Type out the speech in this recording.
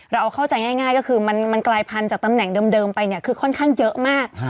เราเอาเข้าใจง่ายก็คือมันกลายพันธุ์จากตำแหน่งเดิมไปเนี่ยคือค่อนข้างเยอะมาก